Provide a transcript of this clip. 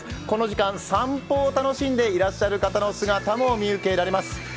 この時間、散歩を楽しんでいらっしゃる方の姿も見受けられます。